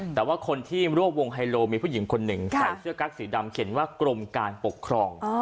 แต่ว่าคนที่ร่วมวงไฮโลมีผู้หญิงคนหนึ่งใส่เสื้อกั๊กสีดำเขียนว่ากรมการปกครอง